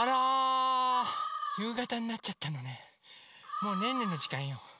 もうねんねのじかんよ。